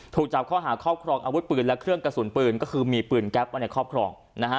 ถูกจับข้อหาครอบครองอาวุธปืนและเครื่องกระสุนปืนก็คือมีปืนแก๊ปไว้ในครอบครอง